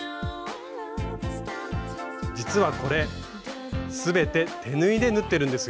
実はこれ全て手縫いで縫ってるんですよ。